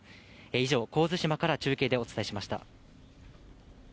以上、神津島から中継でお伝えしました。